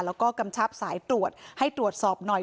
แล้วก็กำชับสายตรวจให้ตรวจสอบหน่อย